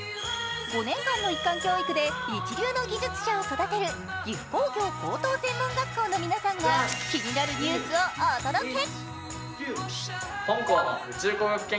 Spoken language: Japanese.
５年間の一貫教育で一流の技術者を育てる岐阜工業高等専門学校の皆さんが気になるニュースをお届け。